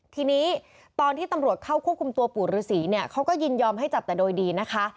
ทีนี้ตอนที่ตำรวจเข้าควบคุมตัวปู่ฤษีเนี่ยเขาก็ยินยอมให้จับแต่โดยดีนะคะ